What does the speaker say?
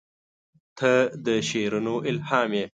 • ته د شعرونو الهام یې.